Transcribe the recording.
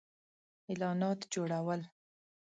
-اعلانات جوړو ل